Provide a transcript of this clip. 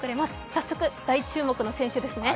早速、大注目の選手ですね。